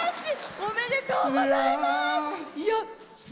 おめでとうございます！